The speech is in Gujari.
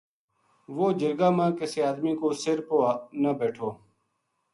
وہ جرگا ما کسے آدمی کا سر پو نہ بیٹھو